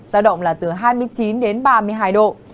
giao động là từ hai mươi chín đến ba mươi hai độ